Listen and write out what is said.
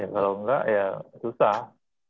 kalau nggak ya susah